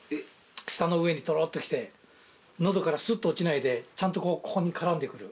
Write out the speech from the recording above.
舌の上にとろっときて喉からすっと落ちないでちゃんとここに絡んでくる。